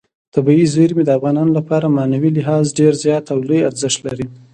طبیعي زیرمې د افغانانو لپاره په معنوي لحاظ ډېر زیات او لوی ارزښت لري.